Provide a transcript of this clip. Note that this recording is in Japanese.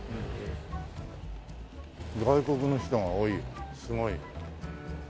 外国の人が多いすごい。